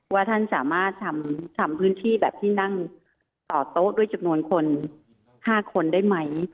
ว่าท่านสามารถทำพื้นที่แบบที่นั่งต่อโต๊ะด้วยจำนวนคน๕คนได้ไหม